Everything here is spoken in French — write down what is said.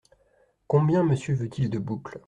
Combien Monsieur veut-il de boucles ?